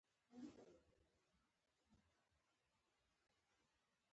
زه به ورته ووایم